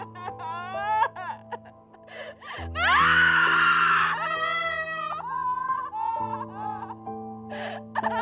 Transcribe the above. masasvert toko menang sobat